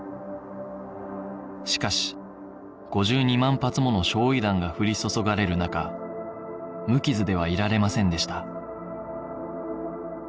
しかし５２万発もの焼夷弾が降り注がれる中無傷ではいられませんでした